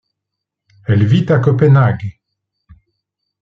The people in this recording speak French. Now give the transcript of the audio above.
Elle vit à Copenhague.